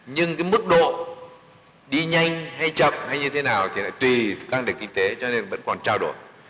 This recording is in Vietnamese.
nhưng cái mức độ đi nhanh hay chậm hay như thế nào thì lại tùy tăng nền kinh tế cho nên vẫn còn trao đổi